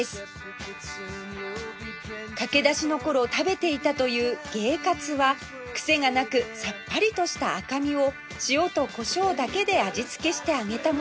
駆け出しの頃食べていたという鯨カツはクセがなくさっぱりとした赤身を塩とコショウだけで味付けして揚げたもの